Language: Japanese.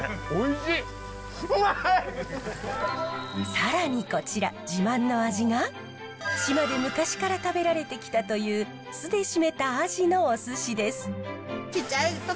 更にこちら自慢の味が島で昔から食べられてきたという酢で締めたアジのおすしです。